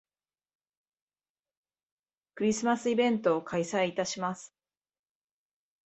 クリスマスイベントを開催いたします